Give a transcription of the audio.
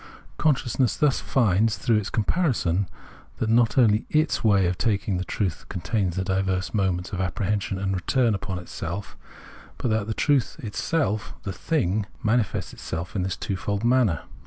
Consciousness thus finds through this comparison that not only its way of taking the truth contains the diverse moments of apprehension and return upon itself, but that the truth itself, the thing, manifests itself in this two fold manner.